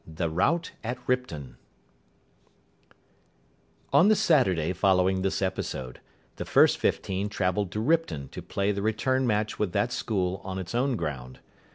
XV THE ROUT AT RIPTON On the Saturday following this episode, the first fifteen travelled to Ripton to play the return match with that school on its own ground.